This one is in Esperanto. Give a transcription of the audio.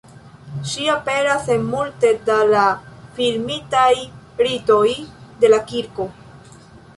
Ŝi aperas en multe da la filmitaj ritoj de la Kirko.